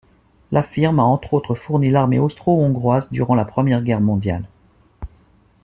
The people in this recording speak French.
La firme a entre autres fourni l'armée austro-hongroise durant la Première Guerre mondiale.